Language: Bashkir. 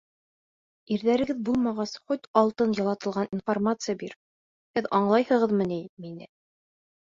Ирҙәрегеҙ булмағас, хоть алтын ялатылған информация бир, һеҙ аңлайһығыҙмы ни мине?